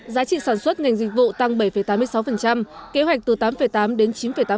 giá trị sản xuất ngành dịch vụ tăng bảy tám mươi sáu kế hoạch từ tám tám đến chín tám